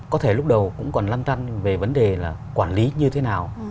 có thể lúc đầu cũng còn lăn tăn về vấn đề là quản lý như thế nào